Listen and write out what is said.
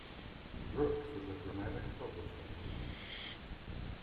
Brooke for The Dramatic Publishing Company.